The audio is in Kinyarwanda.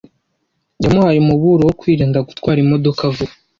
Yamuhaye umuburo wo kwirinda gutwara imodoka vuba.